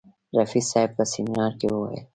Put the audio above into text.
رفیع صاحب په سیمینار کې وویل.